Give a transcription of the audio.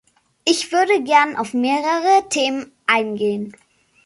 Ich würde gern auf mehrere Themen eingehen.